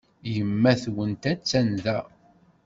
Yemma-twent attan da?